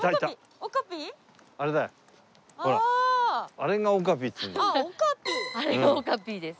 あれがオカピです。